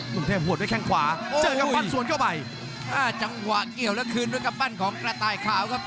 กรุงเทพหัวด้วยแข้งขวาเจอกำปั้นสวนเข้าไปอ่าจังหวะเกี่ยวแล้วคืนด้วยกำปั้นของกระต่ายขาวครับ